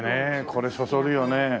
これそそるよね。